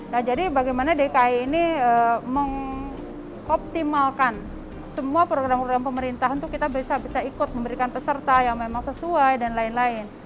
nah jadi bagaimana dki ini mengoptimalkan semua program program pemerintah untuk kita bisa ikut memberikan peserta yang memang sesuai dan lain lain